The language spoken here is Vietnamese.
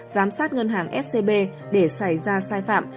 giám sát ngân hàng scb để xảy ra sai phạm